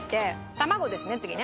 卵ですね次ね。